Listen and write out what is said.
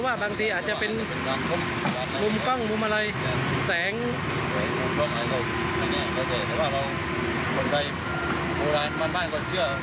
เล็กน้องน้องก็ไม่เหลียกไหนวะ